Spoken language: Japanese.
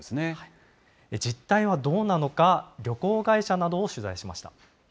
実態はどうなのか、旅行会社などを取材しました。